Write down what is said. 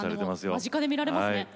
間近で見られますね。